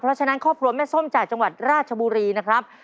เพราะฉะนั้นครอบครัวแม่ส้มจากจังหวัดราชบุรีนะครับ